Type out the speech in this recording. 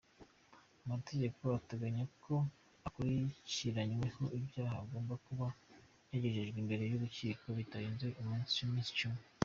Amategeko ateganya ko ukurikiranyweho ibyaha agomba kuba yagejejwe imbere y’urukiko bitarenze iminsi icumi.